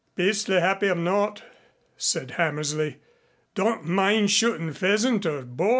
"Beastly happy I'm not," said Hammersley. "Don't mind shootin' pheasant or boar.